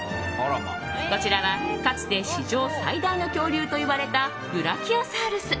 こちらは、かつて史上最大の恐竜といわれたブラキオサウルス。